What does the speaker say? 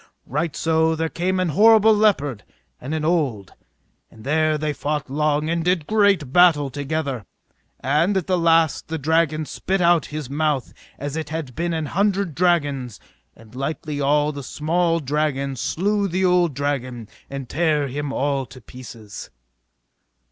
Right so there came an horrible leopard and an old, and there they fought long, and did great battle together. And at the last the dragon spit out of his mouth as it had been an hundred dragons; and lightly all the small dragons slew the old dragon and tare him all to pieces.